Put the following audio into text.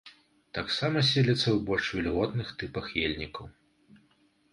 Таксама селіцца ў больш вільготных тыпах ельнікаў.